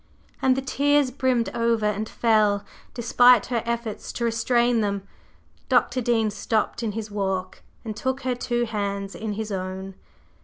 And the tears brimmed over and fell, despite her efforts to restrain them. Dr. Dean stopped in his walk and took her two hands in his own.